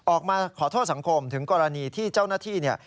ออกมาขอโทษสังคมถึงกรณีที่เจ้าหน้าที่เนี่ย